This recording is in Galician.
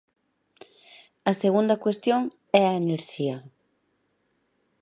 A segunda cuestión é a enerxía.